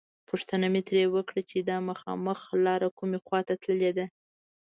پوښتنه مې ترې وکړه چې دا مخامخ لاره کومې خواته تللې ده.